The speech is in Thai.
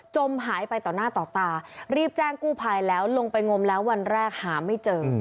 หายไปต่อหน้าต่อตารีบแจ้งกู้ภัยแล้วลงไปงมแล้ววันแรกหาไม่เจอ